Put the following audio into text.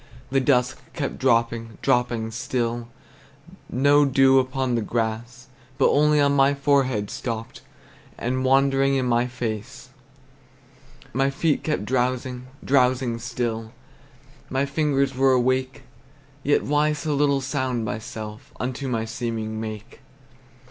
The dusk kept dropping, dropping still; No dew upon the grass, But only on my forehead stopped, And wandered in my face. My feet kept drowsing, drowsing still, My fingers were awake; Yet why so little sound myself Unto my seeming make?